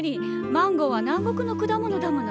マンゴーは南国の果物だもの。